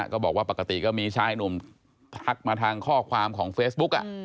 ก็บอกว่าปกติก็มีชายหนุ่มทักมาทางข้อความของเฟซบุ๊ก